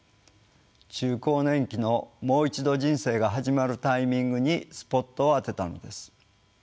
中高年期の「もう一度人生が始まるタイミング」にスポットを当てたのです。